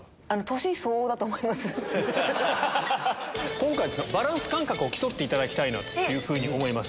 今回バランス感覚を競っていただきたいと思います。